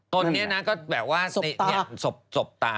ตนนี้นะก็แบบว่าสบตา